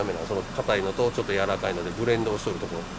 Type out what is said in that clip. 硬いのとちょっと柔らかいのでブレンドをしとるところ。